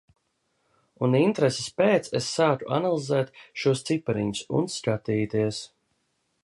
Un intereses pēc es sāku analizēt šos cipariņus un skatīties.